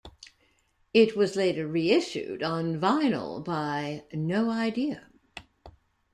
It was later reissued on vinyl by No Idea.